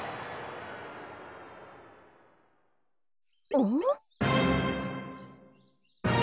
うん？